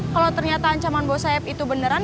kalau ternyata ancaman bos saeb itu beneran